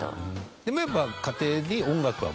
でもやっぱ。